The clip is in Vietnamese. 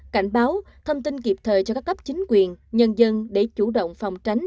cảnh báo thông tin kịp thời cho các cấp chính quyền nhân dân để chủ động phòng tránh